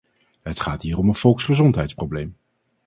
Het gaat hier om een volksgezondheidsprobleem.